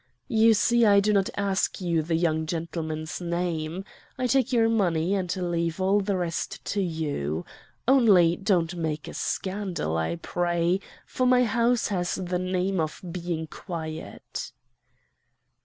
'You see I do not ask you the young gentleman's name. I take your money and leave all the rest to you. Only don't make a scandal, I pray, for my house has the name of being quiet.